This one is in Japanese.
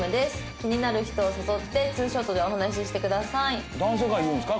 気になる人を誘ってツーショットでお話ししてください」男性からいくんですか？